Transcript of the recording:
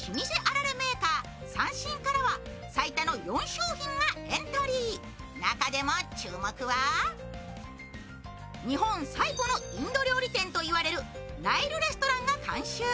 最多の４商品がエントリー、中でも注目は、日本最古のインド料理店と言われるナイルレストランが監修。